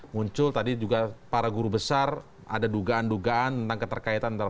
muncul tadi juga para guru besar ada dugaan dugaan tentang keterkaitan antara